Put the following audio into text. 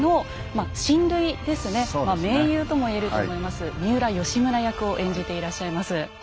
まあ盟友とも言えると思います三浦義村役を演じていらっしゃいます。